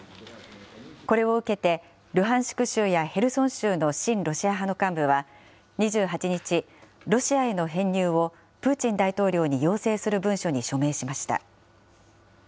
これを受けて、ルハンシク州やヘルソン州の親ロシア派の幹部は２８日、ロシアへの編入をプーチン大統領に要請する文書に署名しました。